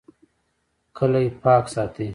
کلی پاک ساتئ